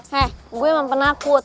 he gue emang penakut